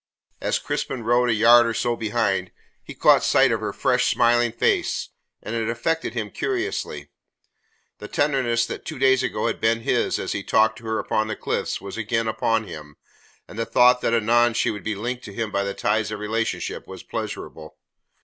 As Crispin rode a yard or so behind, he caught sight of her fresh, smiling face, and it affected him curiously. The tenderness that two days ago had been his as he talked to her upon the cliffs was again upon him, and the thought that anon she would be linked to him by the ties of relationship, was pleasurable.